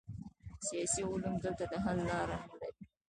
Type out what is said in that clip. سیاسي علوم دلته د حل لاره نلري.